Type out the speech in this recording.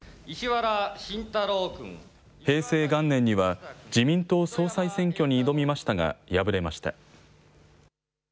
平成元年には、自民党総裁選挙に挑みましたが、敗れました。